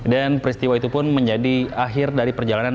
dan peristiwa itu pun menjadi akhir dari perjalanan